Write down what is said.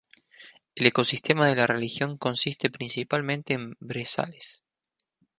El ecosistema de la región consiste principalmente en brezales.